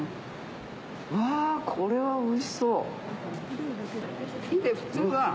うわぁこれはおいしそう。